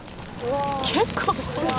「結構」